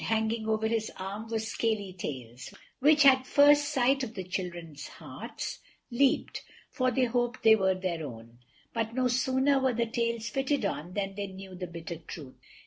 Hanging over his arm were scaly tails, which at first sight of the children's hearts leaped, for they hoped they were their own. But no sooner were the tails fitted on than they knew the bitter truth.